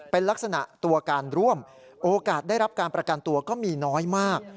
เป็นลักษณะตัวการร่วมโอกาสได้รับการประกันตัวก็มีน้อยมาก